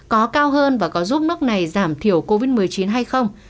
có cao hơn và có giúp nước này giảm thiểu covid một mươi chín hay không